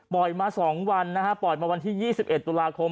ปล่อยมา๒วันนะครับปล่อยมาวันที่๒๑ตุลาคม